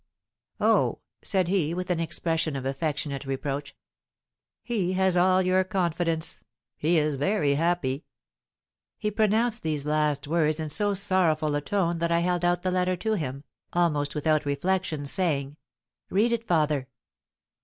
"Oh," said he, with an expression of affectionate reproach, "he has all your confidence! He is very happy!" He pronounced these last words in so sorrowful a tone that I held out the letter to him, almost without reflection, saying: "Read it, father."